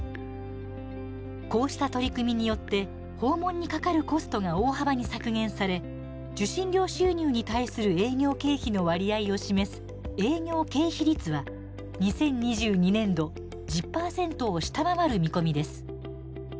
こうした取り組みによって訪問にかかるコストが大幅に削減され受信料収入に対する営業経費の割合を示す営業経費率は２０２２年度１０％を下回る見込みです。